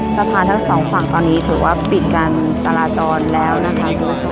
สะพานทั้งสองฝั่งตอนนี้ถือว่าปิดการจราจรแล้วนะคะ